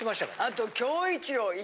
あと。